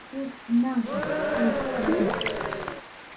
Ҡурҡмағыҙ, ул тере.